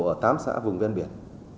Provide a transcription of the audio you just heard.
ở tám xã vùng ven biển